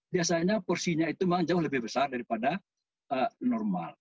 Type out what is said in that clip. biasanya porsinya itu memang jauh lebih besar daripada normal